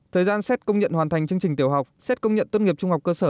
thời gian xét công nhận hoàn thành chương trình tiểu học xét công nhận tốt nghiệp trung học cơ sở